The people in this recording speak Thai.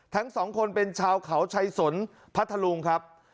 ทั้งสองคนเป็นชาวเขาชัยสนพัทธลุงครับ